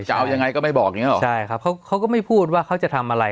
จะเอายังไงก็ไม่บอกอย่างเงี้หรอใช่ครับเขาเขาก็ไม่พูดว่าเขาจะทำอะไร